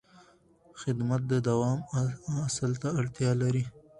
خدمت د دوام اصل ته اړتیا لري.